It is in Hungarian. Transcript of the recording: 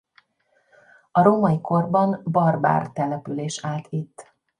A római korban barbár település állt itt.